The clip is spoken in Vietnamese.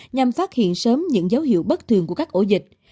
nhằm phát hiện sớm những dấu hiệu bất thường của các ổ dịch